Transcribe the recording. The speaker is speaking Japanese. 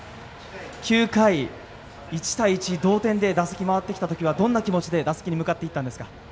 ９回、１対１同点で打席回ってきた時はどんな気持ちで打席に向かっていったんですか？